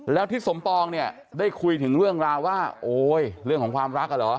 แล้วทิศสมปองเนี่ยได้คุยถึงเรื่องราวว่าโอ๊ยเรื่องของความรักอ่ะเหรอ